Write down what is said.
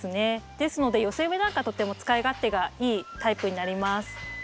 ですので寄せ植えなんかとても使い勝手がいいタイプになります。